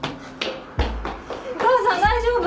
お母さん大丈夫？